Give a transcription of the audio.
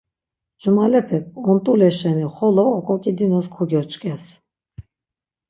Cumalepek ont̆ule şeni xolo oǩoǩedinus kogyoçǩes.